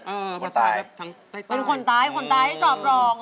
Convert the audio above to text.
เออภาษาแบบทั้งใต้เป็นคนตายคนตายให้จอบรอง